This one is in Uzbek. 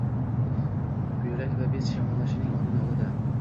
Buyrak va bez shamollashining oldini oladi.